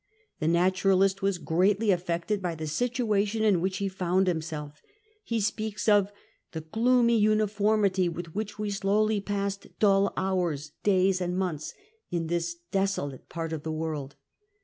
The naturalist was greatly affected by the situation in which ho found him self. Ho speaks of " the gloomy uniformity with which we slowly passed dull hours, days, and months, in this desolate part of the world.